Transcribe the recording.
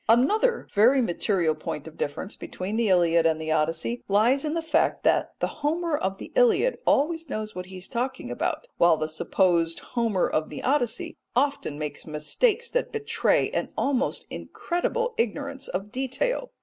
Another very material point of difference between the Iliad and the Odyssey lies in the fact that the Homer of the Iliad always knows what he is talking about, while the supposed Homer of the Odyssey often makes mistakes that betray an almost incredible ignorance of detail.